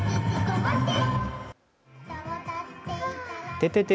ててて！